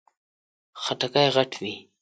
خټکی غټ وي.